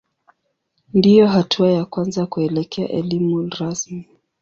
Ndiyo hatua ya kwanza kuelekea elimu rasmi.